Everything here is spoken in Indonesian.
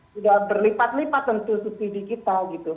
sudah berlipat lipat tentu subsidi kita gitu